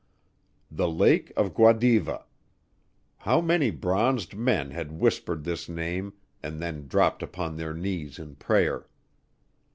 The lake of Guadiva! How many bronzed men had whispered this name and then dropped upon their knees in prayer.